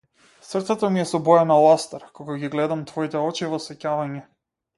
Срцето ми е со боја на ластар, кога ги гледам твоите очи во сеќавање.